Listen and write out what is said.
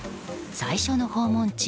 最初の訪問地